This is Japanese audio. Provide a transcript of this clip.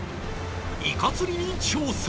イカ釣りに挑戦！